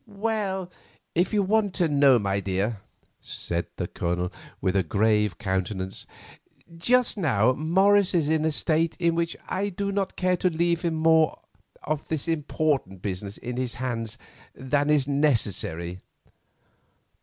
"Well, if you want to know, my dear," said the Colonel, with a grave countenance, "just now Morris is in a state in which I do not care to leave more of this important business in his hands than is necessary."